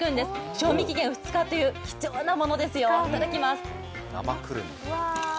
賞味期限は２日という貴重なものですよ、いただきます。